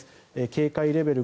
警戒レベル